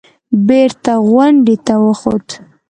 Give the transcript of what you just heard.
بېرته غونډۍ ته وخوت.